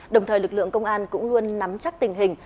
đồng thời lực lượng công an cũng luôn nắm chắc tình hình